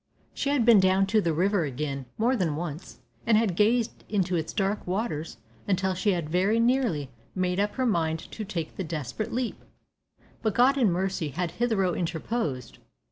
She had been down to the river again, more than once, and had gazed into its dark waters until she had very nearly made up her mind to take the desperate leap, but God in mercy had hitherto interposed.